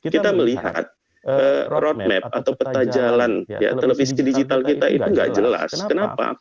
kita melihat roadmap atau peta jalan televisi digital kita itu nggak jelas kenapa